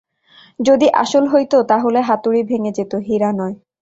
যদি আসল হইতো, তাইলে হাতুরী ভেঙে যেত, হীরা নয়।